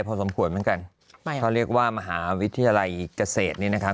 พอสมควรเหมือนกันเขาเรียกว่ามหาวิทยาลัยเกษตรนี้นะครับ